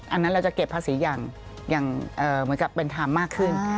อันนั้นเราจะเก็บภาษีอย่างเหมือนกับเป็นธรรมมากขึ้น